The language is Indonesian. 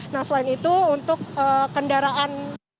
nah selain itu untuk kendaraan